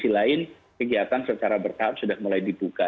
di sisi lain kegiatan secara bertahap sudah mulai dibuka